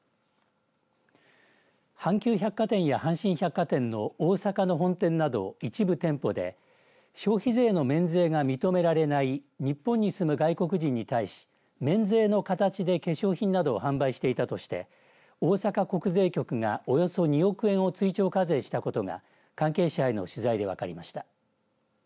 阪急百貨店や阪神百貨店の大阪の本店など一部店舗で消費税の免税が認められない日本に住む外国人に対し免税の形で化粧品などを販売していたとして大阪国税局がおよそ２億円を追徴課税したことが関係者への取材で分かりました。